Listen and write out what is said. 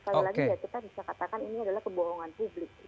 sekali lagi ya kita bisa katakan ini adalah kebohongan publik